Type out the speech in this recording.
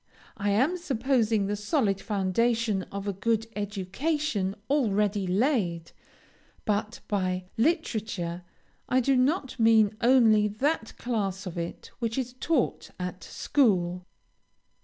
I am supposing the solid foundation of a good education already laid, but by literature, I do not mean only that class of it which is taught at school.